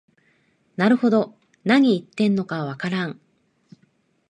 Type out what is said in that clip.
なるほど、なに言ってるのかわからん